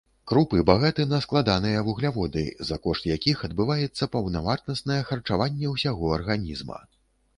Крупы багаты на складаныя вугляводы, за кошт якіх адбываецца паўнавартаснае харчаванне ўсяго арганізма.